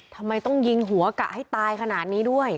ทำไมต้องยิงหัวกะให้ตายขนาดนี้ด้วย